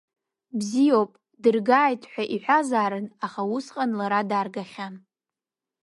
Бзиоуп, дыргаат, ҳәа иҳәазаарын, аха усҟан лара даагахьан.